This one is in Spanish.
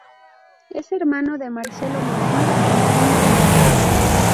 Es hermano de Marcelo Moreno y Júnior Moreno.